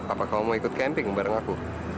apa kamu mau ikut camping bareng aku